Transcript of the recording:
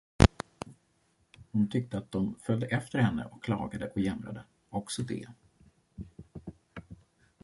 Hon tyckte, att de följde efter henne och klagade och jämrade, också de.